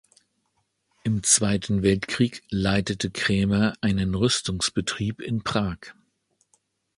Im Zweiten Weltkrieg leitete Kraemer einen Rüstungsbetrieb in Prag.